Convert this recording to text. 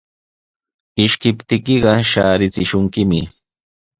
Ishkiptiykiqa shaarichishunkimi.